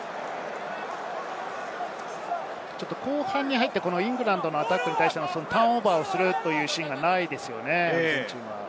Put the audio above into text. ちょっと後半に入ってイングランドのアタックに対してのターンオーバーをするシーンがないですよね、アルゼンチンは。